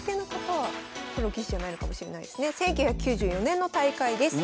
１９９４年の大会です。